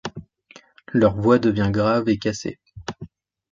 Leur voix devient grave et cassée.